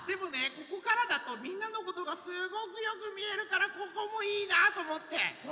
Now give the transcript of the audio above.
ここからだとみんなのことがすごくよくみえるからここもいいなあとおもって。